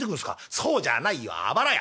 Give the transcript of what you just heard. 「そうじゃないよあばら家。